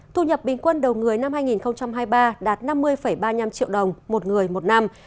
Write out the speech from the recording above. thu nhập bình quân đầu người năm hai nghìn hai mươi ba đạt năm mươi ba mươi năm triệu đồng một người một năm